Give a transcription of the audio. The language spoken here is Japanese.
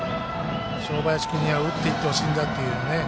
正林君には打っていってほしいんだという。